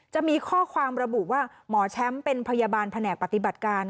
จะมีข้อความระบุว่าหมอแชมป์เป็นพยาบาลแผนกปฏิบัติการ